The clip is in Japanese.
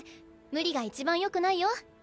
無理が一番よくないよ？